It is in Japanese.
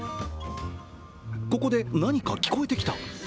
ここで、何か聞こえてきた。